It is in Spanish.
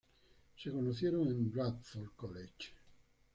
Se conocieron en Radford College.